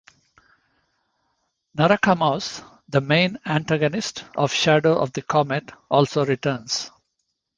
Narackamous, the main antagonist of "Shadow of the Comet", also returns.